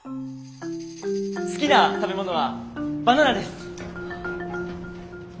好きな食べ物はバナナです。